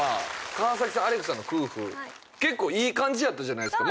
川崎さんアレクさんの夫婦いい感じやったじゃないですか。